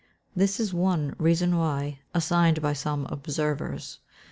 ] This is one "Reason Why," assigned by some observers.